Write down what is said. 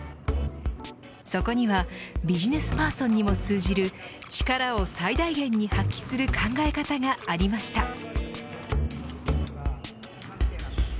そこにはビジネスパーソンにも通じる力を最大限に発揮する考え方がありました。